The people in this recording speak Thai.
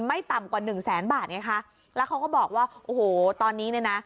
ไม่ต่ำกว่าหนึ่งแสนบาทไงคะแล้วเขาก็บอกว่าโอ้โหตอนนี้เนี่ยนะ